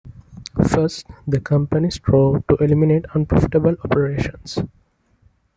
First, the company strove to eliminate unprofitable operations.